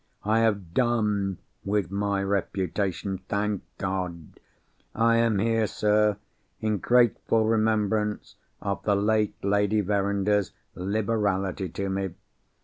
I have done with my reputation, thank God! I am here, sir, in grateful remembrance of the late Lady Verinder's liberality to me.